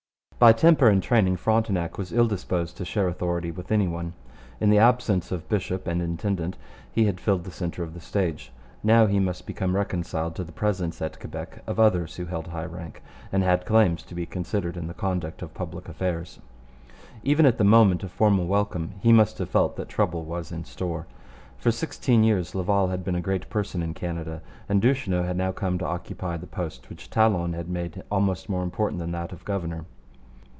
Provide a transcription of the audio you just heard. By temper and training Frontenac was ill disposed to share authority with any one. In the absence of bishop and intendant he had filled the centre of the stage. Now he must become reconciled to the presence at Quebec of others who held high rank and had claims to be considered in the conduct of public affairs. Even at the moment of formal welcome he must have felt that trouble was in store. For sixteen years Laval had been a great person in Canada, and Duchesneau had come to occupy the post which Talon had made almost more important than that of governor.